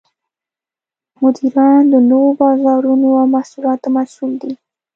مدیران د نوو بازارونو او محصولاتو مسوول دي.